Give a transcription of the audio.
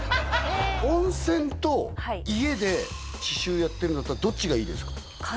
温泉と家で刺繍やってるんだったらどっちがいいですか？